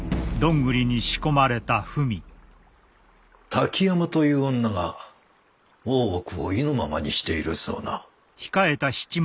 滝山という女が大奥を意のままにしているそうな。